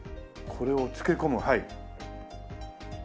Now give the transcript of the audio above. これを漬け込むはい。